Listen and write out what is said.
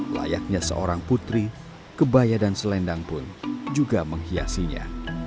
layaknya seorang putri kebaya dan selendang pun juga menghiasinya